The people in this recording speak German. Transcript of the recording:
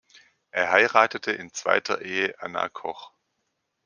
Er heiratete in zweiter Ehe "Anna Koch".